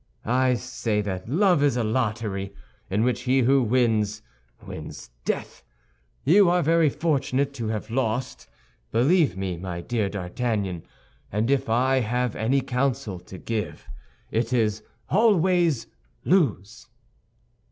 "I say that love is a lottery in which he who wins, wins death! You are very fortunate to have lost, believe me, my dear D'Artagnan. And if I have any counsel to give, it is, always lose!"